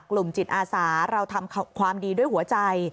กลุ่มจิตอาสาเราทำความดีด้วยหัวใจ